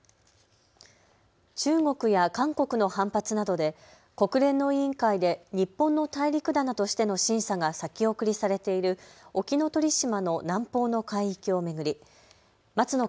中国や韓国の反発などで国連の委員会で日本の大陸棚としての審査が先送りされている沖ノ鳥島の南方の海域を巡り松野